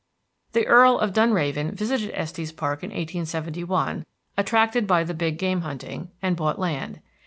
The Earl of Dunraven visited Estes Park in 1871, attracted by the big game hunting, and bought land.